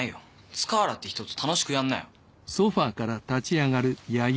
塚原って人と楽しくやんなよ。